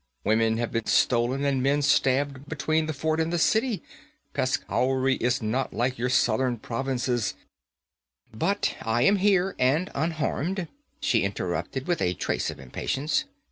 Women have been stolen and men stabbed between the fort and the city. Peshkhauri is not like your southern provinces ' 'But I am here, and unharmed,' she interrupted with a trace of impatience.